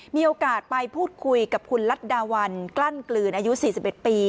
มีโอกาสไปพูดคุยกับคุณรัฐดาวันกลั้นกลืนอายุ๔๑ปี